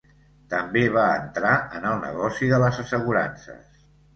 També va entrar en el negoci de les assegurances.